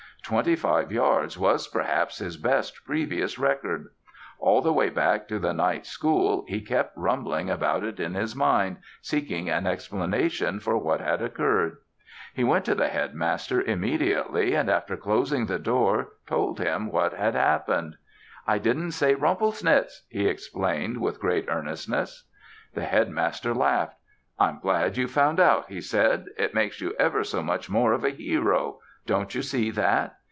Twenty five yards was perhaps his best previous record. All the way back to the knight school he kept rumbling about in his mind seeking an explanation for what had occurred. He went to the Headmaster immediately and after closing the door told him what had happened. "I didn't say 'Rumplesnitz,'" he explained with great earnestness. The Headmaster laughed. "I'm glad you've found out," he said. "It makes you ever so much more of a hero. Don't you see that?